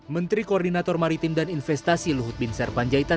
menteri koordinator maritim dan investasi luhut bin sarpanjaitan